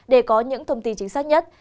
để có những thông tin chính xác nhất